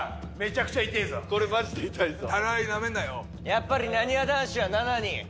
やっぱりなにわ男子は７人。